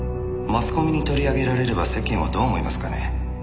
マスコミに取り上げられれば世間はどう思いますかね？